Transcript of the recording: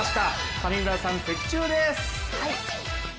上村さん、的中です！